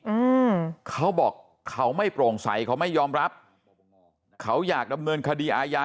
อืมเขาบอกเขาไม่โปร่งใสเขาไม่ยอมรับเขาอยากดำเนินคดีอาญา